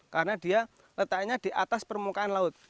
karena dia letaknya di atas permukaan laut